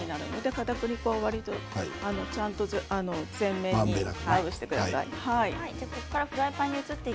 かたくり粉は全面にまぶしてください。